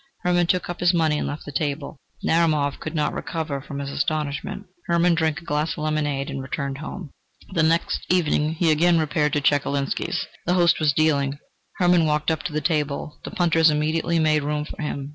Hermann took up his money and left the table. Narumov could not recover from his astonishment. Hermann drank a glass of lemonade and returned home. The next evening he again repaired to Chekalinsky's. The host was dealing. Hermann walked up to the table; the punters immediately made room for him.